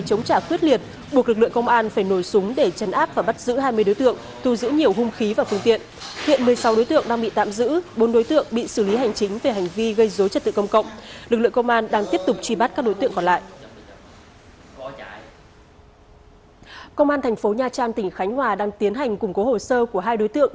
công an thành phố nha trang tỉnh khánh hòa đang tiến hành củng cố hồ sơ của hai đối tượng